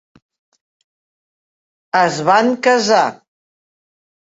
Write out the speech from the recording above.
Es van casar.